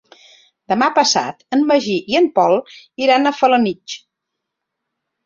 Demà passat en Magí i en Pol iran a Felanitx.